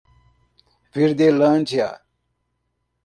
Verdelândia